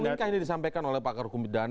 mungkin ini disampaikan oleh pak rukun bidana